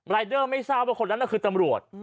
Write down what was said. รายเดอร์ไม่ทราบว่าคนนั้นน่ะคือตำรวจ